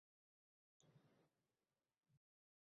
So‘ng uni cho‘ntak pullaridan chegirib qolinadi.